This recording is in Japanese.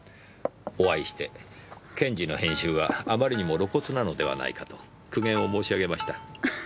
お会いして検事の編集はあまりにも露骨なのではないかと苦言を申し上げました。